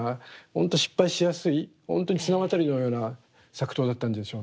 ほんと失敗しやすいほんとに綱渡りのような作陶だったんでしょうね。